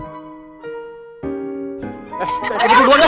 eh saya begitu doang dah